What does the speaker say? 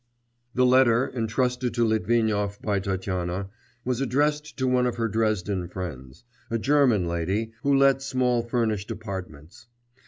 The letter, entrusted to Litvinov by Tatyana, was addressed to one of her Dresden friends a German lady who let small furnished apartments.